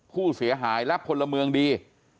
ผู้เสียหายและพลเมืองดี